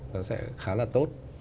nó sẽ khá là tốt